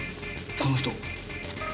この人。